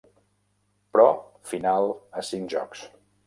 Pro final a cinc jocs.